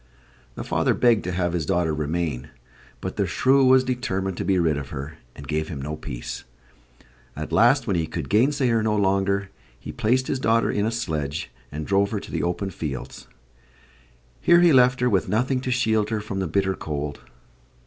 The father begged to have his daughter remain, but the shrew was determined to be rid of her, and gave him no peace. At last, when he could gainsay her no longer, he placed his daughter in a sledge and drove her to the open fields. Here he left her, with nothing to shield her from the bitter cold.